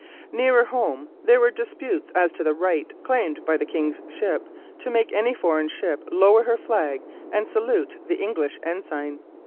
Nearer home there were disputes as to the right claimed by the King's ships to make any foreign ship lower her flag and salute the English ensign.